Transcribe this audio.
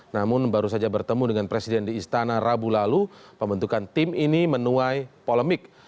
namun baru saja bertemu dengan presiden di istana rabu lalu pembentukan tim ini menuai polemik